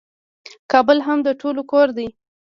کابل هم د ټولو کور دی.